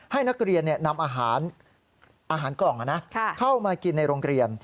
ให้นักเรียนนำอาหารกล่องเข้ามากินในโรงเรียน